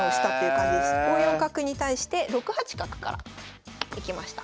５四角に対して６八角からいきました。